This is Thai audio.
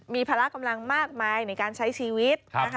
มีภาระกำลังมากมายในการใช้ชีวิต